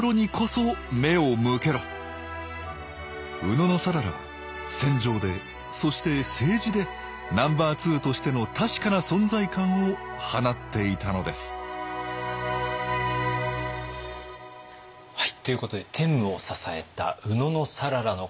野讃良は戦場でそして政治でナンバーツーとしての確かな存在感を放っていたのですはいということで天武を支えた野讃良の活躍を見てまいりました。